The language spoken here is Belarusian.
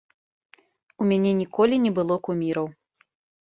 У мяне ніколі не было куміраў.